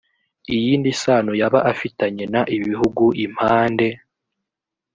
iyindi sano yaba afitanye n ibihugu impande